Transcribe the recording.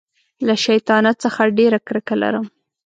له شیطانت څخه ډېره کرکه لرم.